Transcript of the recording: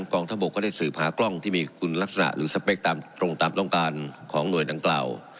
กองทะบกก็ได้สืบหากล้องที่มีคุณลักษณะหรือสเปคตามตรงตามต้องการของหน่วยดังกล่าว